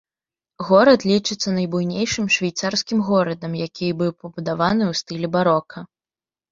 Горад лічыцца найбуйнейшым швейцарскім горадам, які быў пабудаваны ў стылі барока.